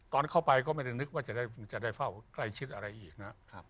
ตอนเข้าไปก็ไม่ได้นึกว่าจะได้เฝ้าใกล้ชิดอะไรอีกนะ